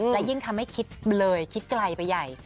และยิ่งทำให้คิดเลยคิดไกลไปใหญ่